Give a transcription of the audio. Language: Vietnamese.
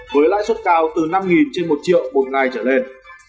với lãi suất cao từ năm trên một triệu một ngày trở lên